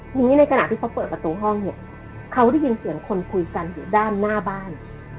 ทีนี้ในขณะที่เขาเปิดประตูห้องเนี่ยเขาได้ยินเสียงคนคุยกันอยู่ด้านหน้าบ้าน